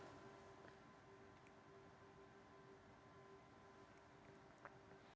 lalu meledakan dirinya